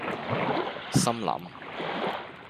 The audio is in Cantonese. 心諗